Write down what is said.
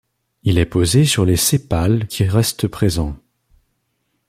Il est posé sur les sépales qui restent présent.